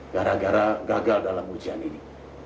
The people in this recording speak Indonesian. gara gara gagal dalam ujian ini